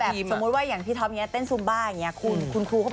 แบบสมมุติพี่ท๊อปเต้นซุมบ้าอย่างเนี่ย